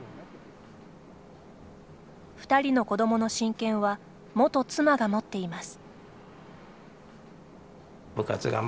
２人の子どもの親権は元妻が持っています。